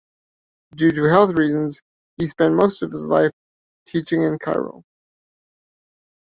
Due to health reasons, he spent most of his life teaching in Cairo.